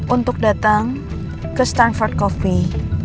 untuk datang ke starford coffee